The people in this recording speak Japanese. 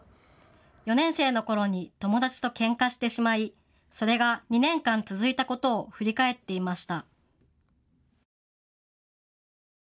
４年生のころに友達とけんかしてしまいそれが２年間続いたことを振り返っていました。